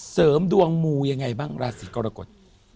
เสริมดวงมูยังไงบ้างราศีกรกฎ